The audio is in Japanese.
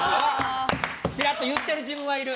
ちらっと言ってる自分はいる。